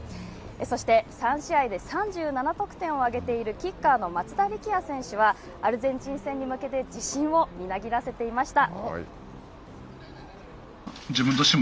そして、３試合で３７得点を挙げている、キッカーの松田力也選手は、アルゼンチン戦に向けて、自信をみなぎらせていました。